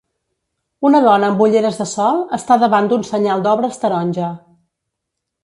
Una dona amb ulleres de sol està davant d'un senyal d'obres taronja.